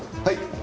はい。